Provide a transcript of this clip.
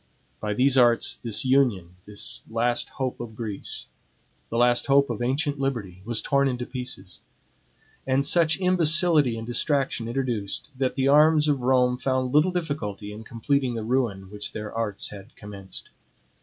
By these arts this union, the last hope of Greece, the last hope of ancient liberty, was torn into pieces; and such imbecility and distraction introduced, that the arms of Rome found little difficulty in completing the ruin which their arts had commenced.